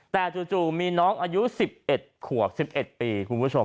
แต่จู่มีน้องอายุ๑๑ขวบ๑๑ปีคุณผู้ชม